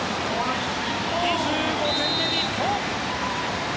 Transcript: ２５点目、日本！